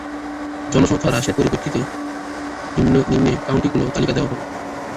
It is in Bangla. জনসংখ্যা হ্রাসের প্রেক্ষিতে নিম্নে কাউন্টিগুলোর তালিকা দেয়া হলো: